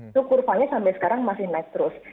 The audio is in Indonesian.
itu kurvanya sampai sekarang masih naik terus